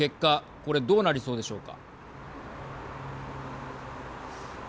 これ、どうなりそうでしょうか。